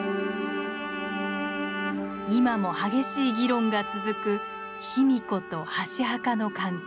今も激しい議論が続く卑弥呼と箸墓の関係。